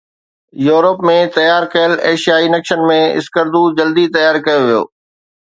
Europe ۾ تيار ڪيل ايشيائي نقشن ۾ اسڪردو کي جلدي تيار ڪيو ويو